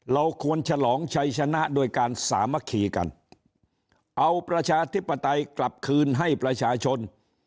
เราควรฉลองชัยชนะโดยการสามัคคีกันเอาประชาธิปไตยกลับคืนให้ประชาชน